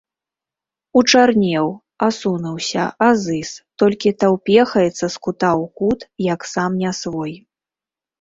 Учарнеў, асунуўся, азыз, толькі таўпехаецца з кута ў кут, як сам не свой.